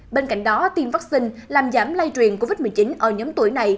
bên cạnh đó tiêm vaccine làm giảm lây truyền covid một mươi chín ở nhóm tuổi này